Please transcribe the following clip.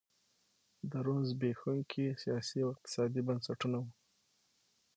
د روم زبېښونکي سیاسي او اقتصادي بنسټونه وو